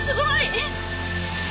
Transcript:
えっ？